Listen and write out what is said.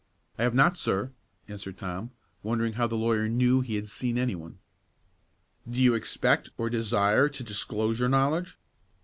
"I have not, sir," answered Tom, wondering how the lawyer knew he had seen any one. "Do you expect, or desire, to disclose your knowledge?"